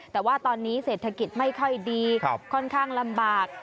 แต่ว่าตอนนี้เศรษฐกิจไม่ค่อยดีค่อนข้างลำบาก